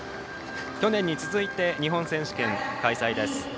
去年に続いて日本選手権開催です。